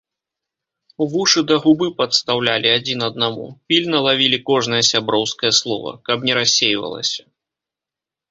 Вушы да губы падстаўлялі адзін аднаму, пільна лавілі кожнае сяброўскае слова, каб не рассейвалася.